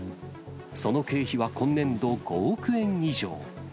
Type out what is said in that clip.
その経費は今年度、５億円以上。